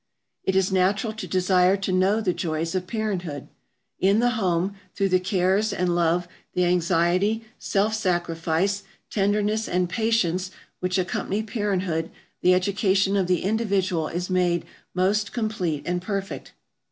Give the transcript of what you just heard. It is natural to desire to know the joys of parenthood. In the home, through the cares and love, the anxiety, self sacrifice, tenderness and patience which accompany parenthood, the education of the individual is made most complete and perfect.